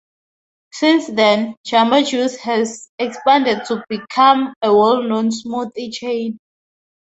Since then, Jamba Juice has expanded to become a well known smoothie chain.